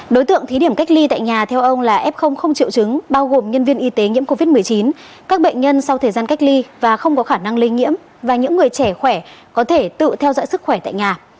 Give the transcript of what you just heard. đối tượng thí điểm cách ly tại nhà theo ông là f không triệu chứng bao gồm nhân viên y tế nhiễm covid một mươi chín các bệnh nhân sau thời gian cách ly và không có khả năng lây nhiễm và những người trẻ khỏe có thể tự theo dõi sức khỏe tại nhà